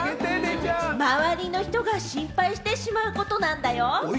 周りの人が心配してしまうことなんだよ。